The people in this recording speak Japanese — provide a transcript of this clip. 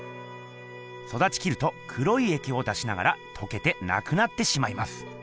そだちきると黒いえきを出しながらとけてなくなってしまいます。